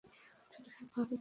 ছোট সাহেব, ভাবি ডাকছে।